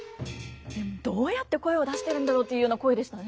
どうやって声を出してるんだろうっていうような声でしたね。